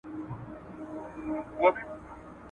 له ساحله خبر نه یم د توپان کیسه کومه !.